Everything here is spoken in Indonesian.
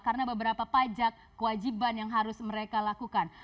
karena beberapa pajak kewajiban yang harus mereka lakukan